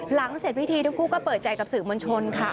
หลังเสร็จวิธีทุกก็เปิดใจกับสื่อมัวชนค่ะ